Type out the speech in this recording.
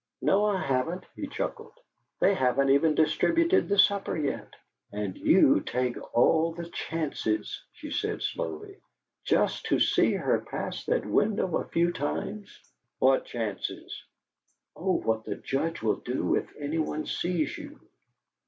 "No, I haven't," he chuckled. "They haven't even distributed the supper yet!" "And you take all the chances," she said, slowly, "just to see her pass that window a few times." "What chances?" "Of what the Judge will do if any one sees you."